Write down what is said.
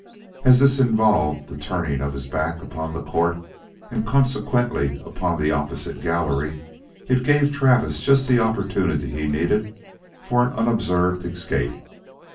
As this involved the turning of his back upon the court and consequently upon the opposite gallery, it gave Travis just the opportunity he needed for an unobserved escape.